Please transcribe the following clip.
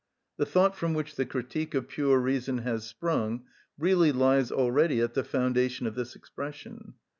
The thought from which the Critique of Pure Reason has sprung really lies already at the foundation of this expression.